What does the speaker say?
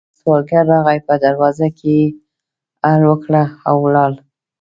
يو سوالګر راغی، په دروازه کې يې هل وکړ او ولاړ.